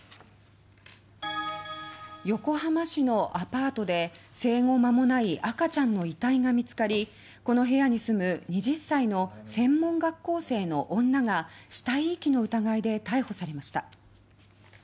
横浜市のアパートで生後まもない赤ちゃんの遺体が見つかりこの部屋に住む２０歳の専門学校生の女が死体遺棄の疑いで逮捕されました。